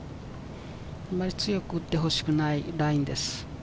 あまり強く打ってほしくないラインです。